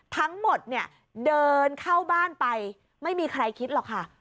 ทั้งหมดเนี่ยเดินเข้าบ้านไปไม่มีใครคิดหรอกค่ะ